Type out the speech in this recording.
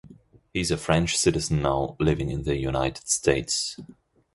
He is a French citizen now living in the United States.